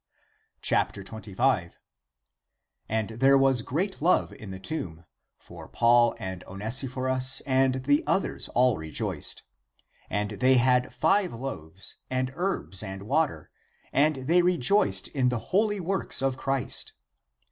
25. And there was great love in the tomb, for Paul and Onesiphorus and the others all rejoiced. And they had five loaves, and herbs, and water, and they rejoiced in the holy works of Christ.